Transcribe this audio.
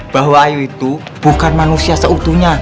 bahwa ayu itu bukan manusia seutuhnya